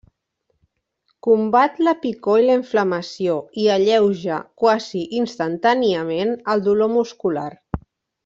Combat la picor i la inflamació i alleuja quasi instantàniament el dolor muscular.